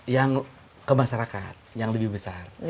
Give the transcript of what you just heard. yang ke masyarakat yang lebih besar